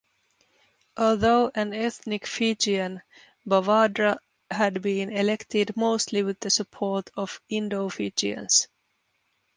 Although an ethnic Fijian, Bavadra had been elected mostly with the support of Indo-Fijians.